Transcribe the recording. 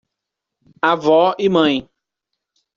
Avó e mãe